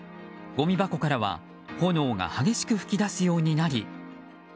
ごみ箱からは炎が激しく噴き出すようになり